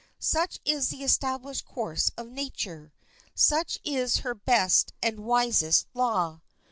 Such is the established course of nature; such is her best and wisest law.